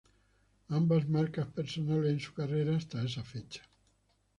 Ambas marcas personales en su carrera hasta esa fecha.